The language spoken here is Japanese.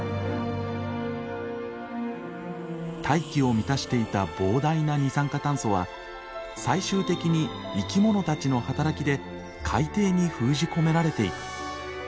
大気を満たしていた膨大な二酸化炭素は最終的に生き物たちの働きで海底に封じ込められていく。